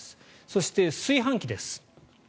そして、炊飯器です。